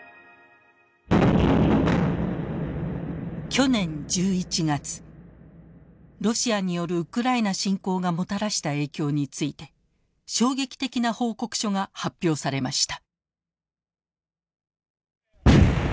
去年１１月ロシアによるウクライナ侵攻がもたらした影響について衝撃的な報告書が発表されました。